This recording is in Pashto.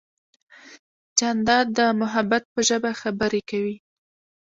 جانداد د محبت په ژبه خبرې کوي.